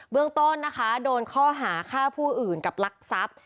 เบื้องต้นโดนข้อหาฆ่าผู้อื่นกับลักษัพ